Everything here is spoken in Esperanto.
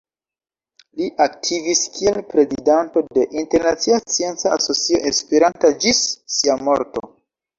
Li aktivis kiel prezidanto de Internacia Scienca Asocio Esperanta ĝis sia morto.